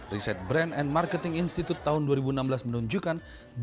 riset brand and marketing institute tahun dua ribu enam belas menunjukkan